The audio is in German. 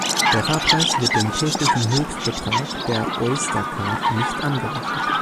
Der Fahrpreis wird dem täglichen Höchstbetrag der "Oyster-Card" nicht angerechnet.